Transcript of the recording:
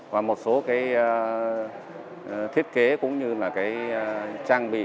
và một số cái thiết kế cũng như là cái trang bị